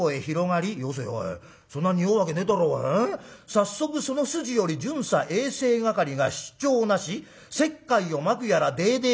『早速その筋より巡査衛生係が出張をなし石灰をまくやらＤＤＴ』。